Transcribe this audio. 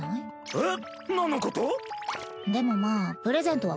えっ？